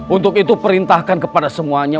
untuk itu perintahkan kepada semuanya